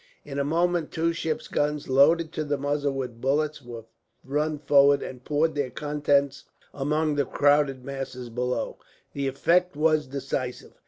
In a moment two ship's guns, loaded to the muzzle with bullets, were run forward, and poured their contents among the crowded masses below. The effect was decisive.